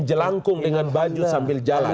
jelangkung dengan baju sambil jalan